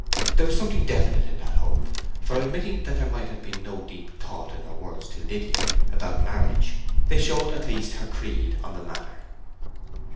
There was something definite in that hope, for admitting that there might have been no deep thought in her words to Liddy about marriage, they showed at least her creed on the matter.